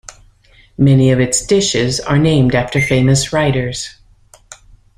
Many of its dishes are named after famous writers.